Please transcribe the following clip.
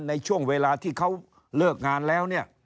ในช่วงเวลาที่เขาเลิกงานแล้วเนี่ย